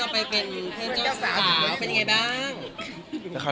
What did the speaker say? พี่เจ้าอยากถามที่เราไปเป็นเพลงเจ้าสาวเป็นยังไงบ้าง